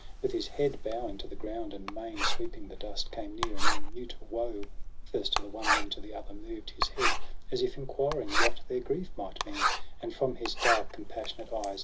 With his head bowing to the ground and mane Sweeping the dust, came near, and in mute woe First to the one then to the other moved His head, as if enquiring what their grief Might mean; and from his dark, compassionate eyes.